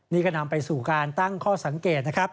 นี่ก็นำไปสู่การตั้งข้อสังเกตนะครับ